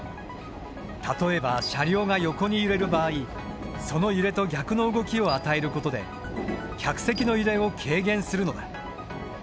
例えば車両がヨコに揺れる場合その揺れと逆の動きを与えることで客席の揺れを軽減するのだ。